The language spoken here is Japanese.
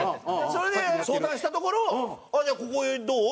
それで相談したところ「ああじゃあここどう？」